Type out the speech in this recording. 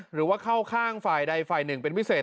หรือว่าเข้าข้างฝ่ายใดฝ่ายหนึ่งเป็นพิเศษ